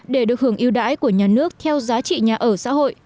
để được hưởng yêu đãi của nhà nước theo giá trị nhà ở xã hội